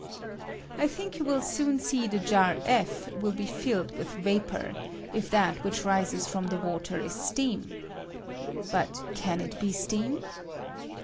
I tliink you I ■will soon see the jar (f) will be filled with J vapor, if that which rises from the water is 1 steam. But can it be steam